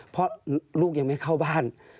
เพราะลูกยังไม่เข้าบ้าน